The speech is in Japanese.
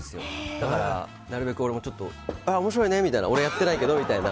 だから、俺も面白いねみたいな俺はやってないけどみたいな。